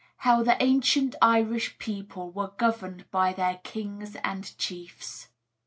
HOW THE ANCIENT IRISH PEOPLE WERE GOVERNED BY THEIR KINGS AND CHIEFS.